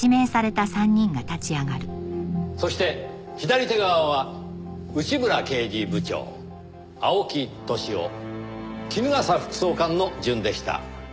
そして左手側は内村刑事部長青木年男衣笠副総監の順でした。